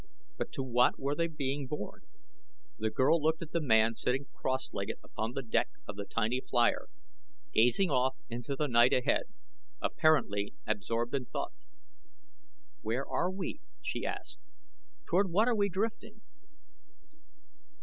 But to what were they being borne? The girl looked at the man sitting cross legged upon the deck of the tiny flier, gazing off into the night ahead, apparently absorbed in thought. "Where are we?" she asked. "Toward what are we drifting?"